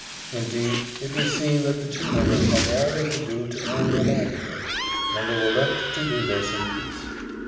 Indeed, it was seen that the two women had all they could do to earn their livelihood, and they were left to do this in peace.